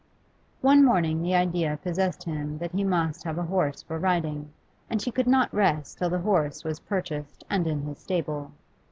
One morning the idea possessed him that he must have a horse for riding, and he could not rest till the horse was purchased and in his stable.